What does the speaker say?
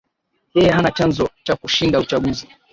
Yeye hana chanzo cha kushinda uchaguzi